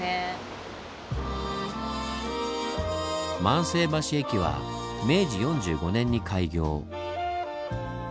万世橋駅は明治４５年に開業。